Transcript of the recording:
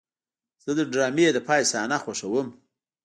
زه د ډرامې د پای صحنه خوښوم.